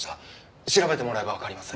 調べてもらえばわかります。